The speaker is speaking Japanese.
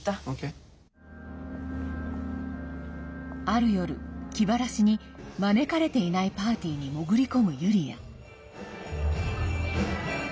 ある夜、気晴らしに招かれていないパーティーに潜り込むユリア。